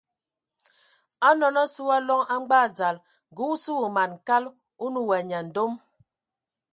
Onɔn o sɔ wa loŋ a ngbag dzal, ngə o sə wa man kal, o nə wa nyandomo.